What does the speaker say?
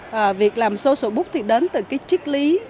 việc làm social book thì đến từ cái trích lý